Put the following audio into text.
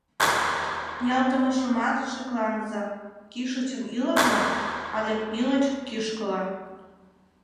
Ниялтымыжымат шекланыза: кӱшычын ӱлыкыла але ӱлыч кӱшкыла.